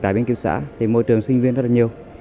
tại bên ký túc xá thì môi trường sinh viên rất là nhiều